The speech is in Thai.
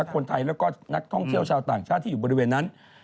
คนไทยแล้วก็นักท่องเที่ยวชาวต่างชาติที่อยู่บริเวณนั้น